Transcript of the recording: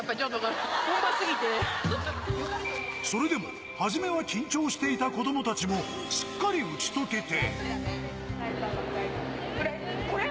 それでも、はじめは緊張していた子どもたちも、すっかり打ち解けて。